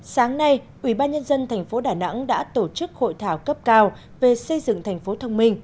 sáng nay ubnd tp đà nẵng đã tổ chức hội thảo cấp cao về xây dựng thành phố thông minh